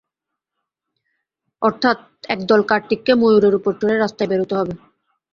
অর্থাৎ, একদল কার্তিককে ময়ূরের উপর চড়ে রাস্তায় বেরোতে হবে।